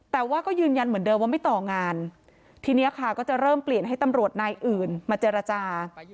แต่ว่าก็ยืนยันเหมือนเดิมว่าไม่ต่องานทีนี้ค่ะก็จะเริ่มเปลี่ยนให้ตำรวจนายอื่นมาเจรจา